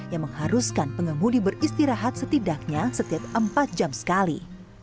yang mengharuskan pengemudi beristirahat setidaknya setiap empat jam sekali